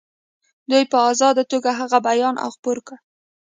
دوی په آزاده توګه هغه بیان او خپور کړي.